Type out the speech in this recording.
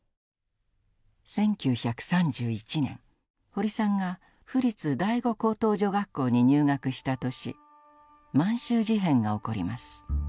１９３１年堀さんが府立第五高等女学校に入学した年満州事変が起こります。